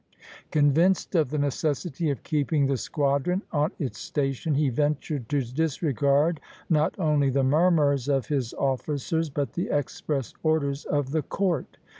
Convinced of the necessity of keeping the squadron on its station, he ventured to disregard not only the murmurs of his officers but the express orders of the Court.